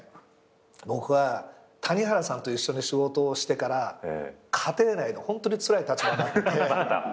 僕は谷原さんと一緒に仕事をしてから家庭内でホントにつらい立場になってて。